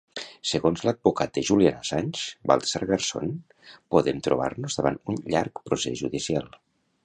Segons l'advocat de Julian Assange, Baltasar Garzón, podem trobar-nos davant un llarg procés judicial.